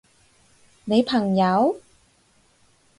你朋友？